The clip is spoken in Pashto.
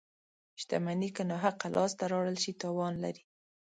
• شتمني که ناحقه لاسته راوړل شي، تاوان لري.